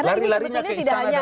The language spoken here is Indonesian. lari larinya ke istana dan presiden